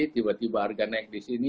tiba tiba harga naik disini